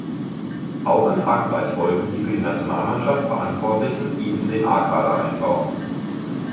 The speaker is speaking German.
Auch in Frankreich wollten die für die Nationalmannschaft Verantwortlichen ihn in den A-Kader einbauen.